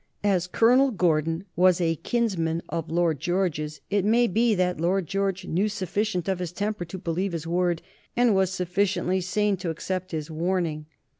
As Colonel Gordon was a kinsman of Lord George's, it may be that Lord George knew sufficient of his temper to believe his word and was sufficiently sane to accept his warning.